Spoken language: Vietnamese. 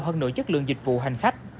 hơn nội chất lượng dịch vụ hành khách